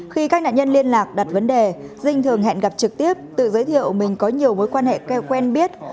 khi các nạn nhân liên lạc đặt vấn đề dinh thường hẹn gặp trực tiếp tự giới thiệu mình có nhiều mối quan hệ kêu quen biết